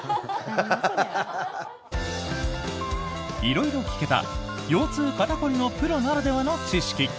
色々聞けた腰痛、肩凝りのプロならではの知識！